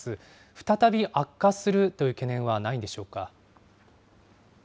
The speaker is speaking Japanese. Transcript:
再び悪化するという懸念はないんでしょうか。